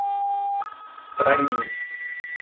Trairi